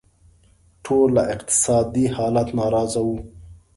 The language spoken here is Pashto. ټول له اقتصادي حالت ناراضه وو.